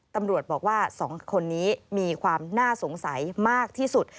ตำรวจบอกว่า๒คนนี้มีความน่าสงสัยมากที่สุด